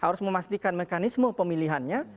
harus memastikan mekanisme pemilihannya